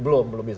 belum belum bisa